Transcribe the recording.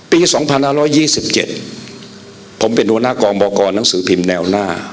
ปีสองพันสี่สิบเจ็ดผมเป็นหัวหน้ากรบอกรหนังสือพิมพ์แนวหน้า